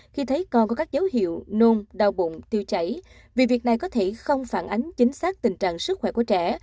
khi thấy con có các dấu hiệu nôn đau bụng tiêu chảy vì việc này có thể không phản ánh chính xác tình trạng sức khỏe của trẻ